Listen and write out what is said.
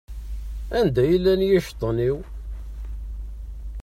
Anda i llan yiceṭṭen-iw?